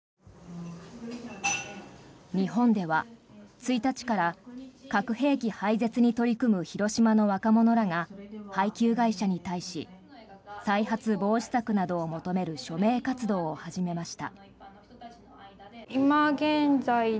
日本では１日から核兵器廃絶に取り組む広島の若者らが配給会社に対し再発防止策などを求める署名活動を始めました。